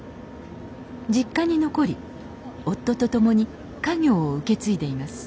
実家に残り夫と共に家業を受け継いでいます